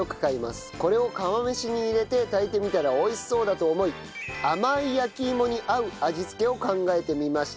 これを釜飯に入れて炊いてみたら美味しそうだと思い甘い焼き芋に合う味付けを考えてみました。